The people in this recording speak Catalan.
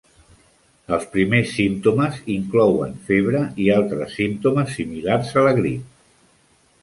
Els primers símptomes inclouen febre i altres símptomes similars a la grip.